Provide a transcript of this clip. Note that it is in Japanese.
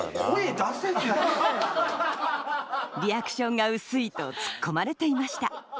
リアクションが薄いとツッコまれていました